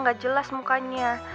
gak jelas mukanya